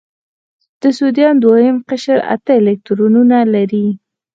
د سوډیم دوهم قشر اته الکترونونه لري.